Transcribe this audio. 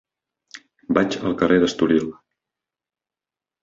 Vaig al carrer d'Estoril.